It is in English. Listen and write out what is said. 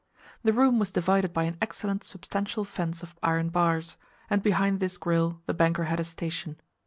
The room was divided by an excellent, substantial fence of iron bars, and behind this grille the banker had his station.